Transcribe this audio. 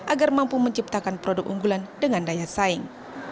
agar mampu menciptakan produk unggulan dengan daya saing